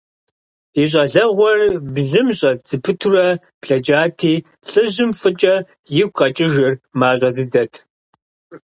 И щӀалэгъуэр бжьым щӀэт зэпытурэ блэкӀати, лӀыжьым фӀыкӀэ игу къэкӀыжыр мащӀэ дыдэт.